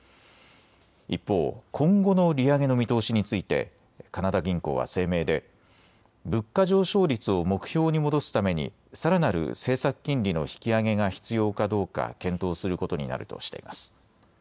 一方、今後の利上げの見通しについてカナダ銀行は声明で物価上昇率を目標に戻すためにさらなる政策金利の引き上げが必要かどうか検討することになるとしています。